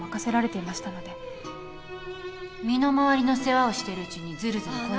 身の回りの世話をしてるうちにずるずる恋人に？